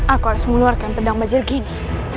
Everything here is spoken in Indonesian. aku harus mengeluarkan pedang bajel gini